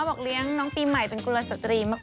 บอกเลี้ยงน้องปีใหม่เป็นกุลสตรีมาก